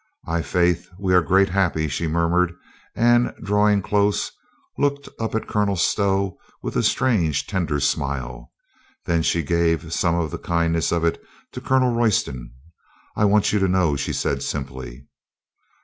"I'faith, we are greatly happy," she murmured, and, drawing close, looked up at Colonel Stow with a strange, tender smile. Then she gave some of the kindness of it to Colonel Royston. "I want you to know," she said simply.